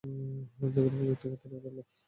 যেগুলো প্রযুক্তির ক্ষেত্রেও দুর্লভ!